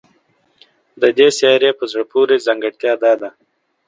د دې سیارې په زړه پورې ځانګړتیا دا ده